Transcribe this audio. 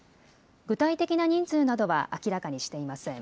具体的な人数などは明らかにしていません。